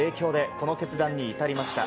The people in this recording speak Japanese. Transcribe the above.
この決断に至りました。